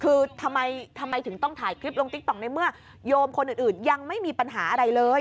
คือทำไมถึงต้องถ่ายคลิปลงติ๊กต๊อกในเมื่อโยมคนอื่นยังไม่มีปัญหาอะไรเลย